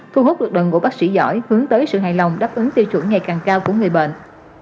thu hút được đội ngũ bác sĩ giỏi hướng tới sự hài lòng đáp ứng tiêu chuẩn ngày càng cao của người bệnh